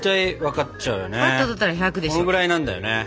このぐらいなんだよね。